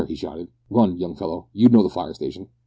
he shouted. "Run, young fellow, you know the fire station!"